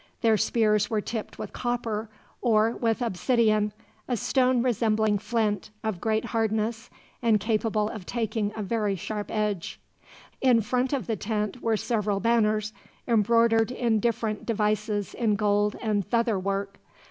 Their spears were tipped with copper; or with obsidian, a stone resembling flint, of great hardness, and capable of taking a very sharp edge. In front of the tent were several banners, embroidered in different devices in gold and feather work.